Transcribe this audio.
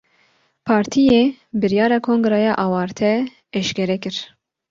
Partiyê, biryara kongreya awarte eşkere kir